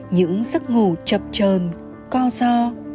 những giấc ngủ chập trờn co so